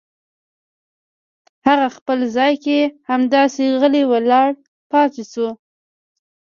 هغه په خپل ځای کې همداسې غلې ولاړه پاتې شوه.